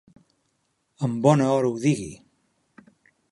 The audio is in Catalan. En bona hora ho digui.